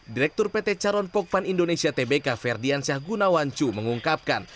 direktur pt caron pogpan indonesia tbk ferdian syahgunawancu mengungkapkan